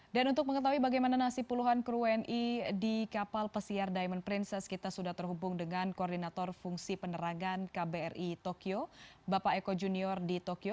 dan untuk mengetahui bagaimana nasib puluhan kru uni di kapal pesiar diamond princess kita sudah terhubung dengan koordinator fungsi penerangan kbri tokyo bapak eko junior di tokyo